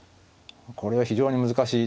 これは非常に難しい手ですね。